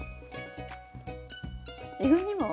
えぐみも。